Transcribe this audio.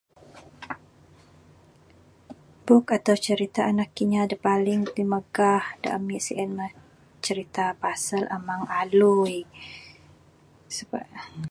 Book atau cerita anak kinya da paling timagah da ami sien mah cerita pasal Amang Alui